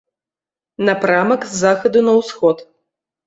Напрамак з захаду на ўсход.